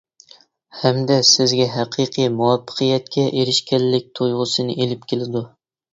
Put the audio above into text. ھەمدە سىزگە ھەقىقىي مۇۋەپپەقىيەتكە ئېرىشكەنلىك تۇيغۇسىنى ئېلىپ كېلىدۇ.